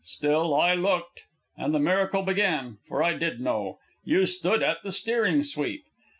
Still, I looked, and the miracle began, for I did know. You stood at the steering sweep.